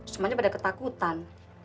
semuanya pada ketakutan